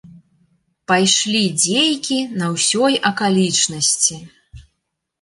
Пайшлі дзейкі на ўсёй акалічнасці.